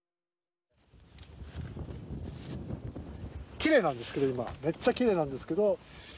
きれいなんですけど今めっちゃきれいなんですけど。